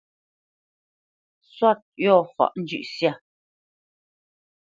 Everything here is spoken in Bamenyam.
Sɔ̂t yɔ̂ faʼ njʉ̂ʼsyâ.